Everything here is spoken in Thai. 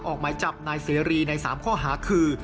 ออกหมายจับนายเสรีใน๓ข้อหาคือ